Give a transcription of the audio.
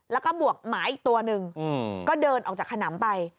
แล้วก็บวกหมาอีกตัวหนึ่งก็เดินออกจากขนำไป